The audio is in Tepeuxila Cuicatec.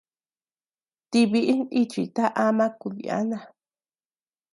Ti biʼin nichita ama kudiana.